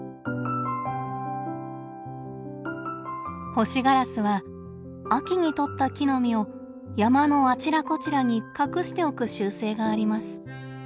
ホシガラスは秋にとった木の実を山のあちらこちらに隠しておく習性があります。